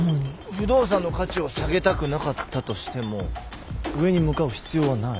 不動産の価値を下げたくなかったとしても上に向かう必要はない。